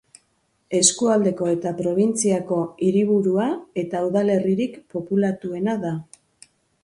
Eskualdeko eta probintziako hiriburua eta udalerririk populatuena da.